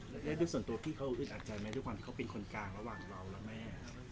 และด้วยส่วนตัวพี่เขาอึดอัดใจไหมด้วยความที่เขาเป็นคนกลางระหว่างเราและแม่